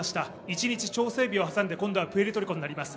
一日調整日を挟んで今度はプエルトリコになります。